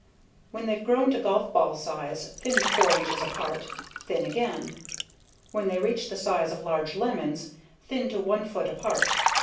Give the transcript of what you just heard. When they've grown to golfball size, thin to 4 inches apart, thin again. When they reach the size of large lemons, thin to 1 foot apart.